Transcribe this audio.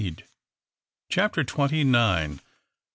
CHAPTER TWENTY NINE.